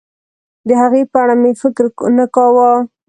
د هغې په اړه مې فکر نه کاوه.